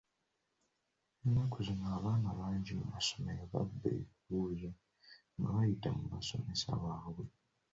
Ennaku zino abaana bangi mu masomero babba ebibuuzo nga bayita mu basomesa baabwe.